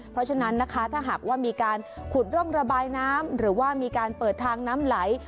เพราะฉะนั้นนะคะถ้าหากว่ามีการขุดร่องระบายน้ำหรือว่ามีการเปิดทางน้ำไหล